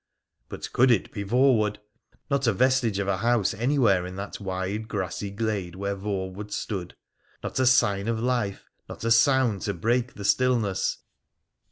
But could it be Voewood ? Not a vestige of a house any where in that wide grassy glade where Voewood stood, not a sign of life, not a sound to break the stillness